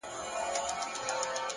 پرمختګ د دوامداره عمل حاصل دی.